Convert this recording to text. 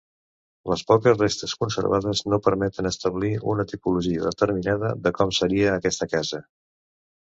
Les poques restes conservades no permeten establir una tipologia determinada de com seria aquesta casa.